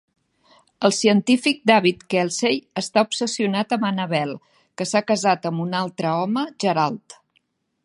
El científic David Kelsey està obsessionat amb Annabelle, que s'ha casat amb un altre home, Gerald.